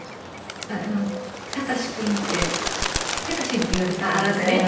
「貴君」って貴って言われていたんですね。